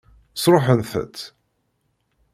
Sṛuḥent-t.